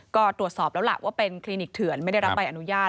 ก็ตรวจสอบแล้วล่ะว่าเป็นคลินิกเถื่อนไม่ได้รับใบอนุญาต